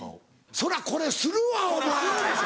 そらこれするわお前！するでしょ！